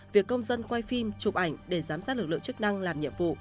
việc công dân quay phim chụp ảnh để giám sát lực lượng chức năng làm nhiệm vụ